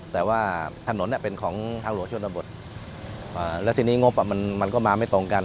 แต่ว่าถนนเป็นของทางหลวงชนบทแล้วทีนี้งบมันก็มาไม่ตรงกัน